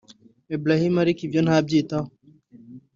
Ebrahim ariko ibyo ntabyitayeho